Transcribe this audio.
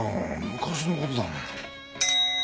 昔のことだもん。